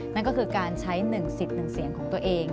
นั่นก็คือการใช้๑สิทธิ์๑เสียงของตัวเอง